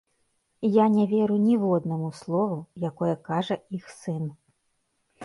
Я не веру ніводнаму слову, якое кажа іх сын.